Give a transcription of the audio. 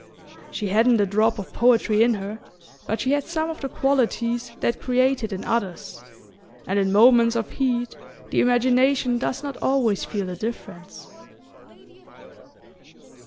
She hadn't a drop of poetry in her, but she had some of the qualities that create it in others; and in moments of heat the imagination does not always feel the difference...